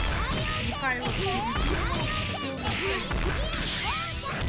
Михайлов передумал и сел на скамеечку.